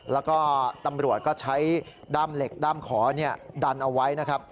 แล้วก็ตำรวจก็ใช้ด้ามเหล็กด้ามขอดันเอาไว้นะครับ